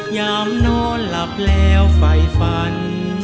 ยามนอนหลับแล้วไฟฝัน